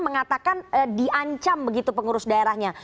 mengatakan diancam begitu pengurus daerahnya